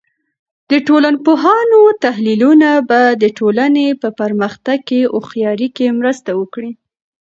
د ټولنپوهانو تحلیلونه به د ټولنې په پرمختګ کې هوښیارۍ کې مرسته وکړي.